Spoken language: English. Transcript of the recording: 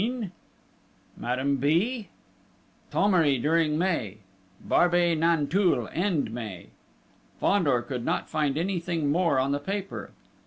_ Madame B...? Thomery, during May. Barbey Nanteuil, end May. Fandor could not find anything more on the paper.